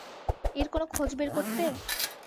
এর কোনো খোঁজ বের করতে?